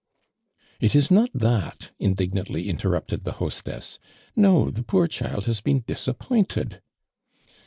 "It is not that," indignantly intompted the hostess. "No, the poor child has been disappointed."